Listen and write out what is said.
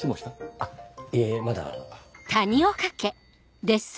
あっいえまだ。